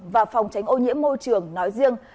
và phòng tránh ô nhiễm môi trường nói riêng